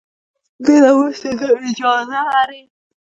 دې نه وروسته ته اجازه لري.